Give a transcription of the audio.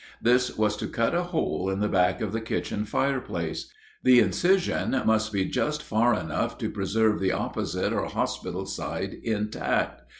This was to cut a hole in the back of the kitchen fireplace; the incision must be just far enough to preserve the opposite or hospital side intact.